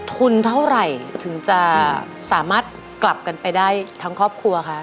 ทุนเท่าไหร่ถึงจะสามารถกลับกันไปได้ทั้งครอบครัวคะ